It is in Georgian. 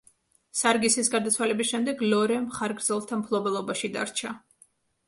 სარგისის გარდაცვალების შემდეგ ლორე მხარგრძელთა მფლობელობაში დარჩა.